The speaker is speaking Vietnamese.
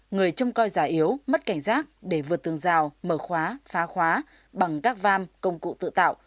người trông coi già yếu mất cảnh giác để vượt tường rào mở khóa phá phá khóa bằng các vam công cụ tự tạo